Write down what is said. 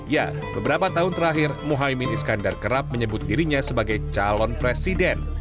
ya beberapa tahun terakhir mohaimin iskandar kerap menyebut dirinya sebagai calon presiden